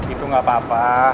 itu gak apa apa